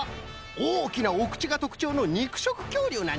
おおきなおくちがとくちょうのにくしょくきょうりゅうなんじゃ。